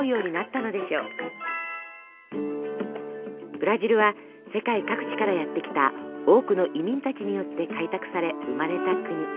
ブラジルは世界各地からやって来た多くの移民たちによって開拓され生まれた国。